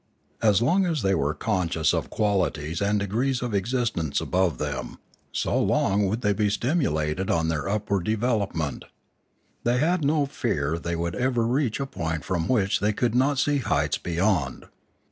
As long as they were conscious of qualities and degrees of existence above them, so long would they be stimulated on their upward develop ment. They had no fear that they would ever reach a point from which they could not see heights beyond.